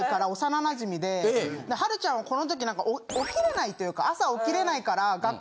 はるちゃんはこのときなんか起きれないというか朝起きれないから。